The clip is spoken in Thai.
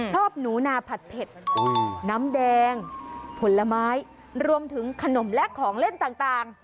ชอบหนูนาผัดเผ็ดน้ำแดงผลไม้รวมถึงขนมและของเล่นต่าง